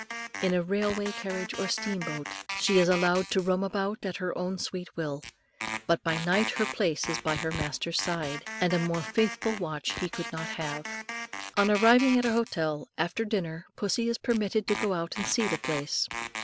In a railway carriage or steam boat, she is allowed to roam about at her own sweet will; but by night her place is by her master's side, and a more faithful watch he could not have. On arriving at an hotel, after dinner pussy is permitted to go out to see the place.